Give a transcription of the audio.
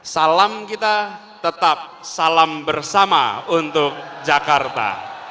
salam kita tetap salam bersama untuk jakarta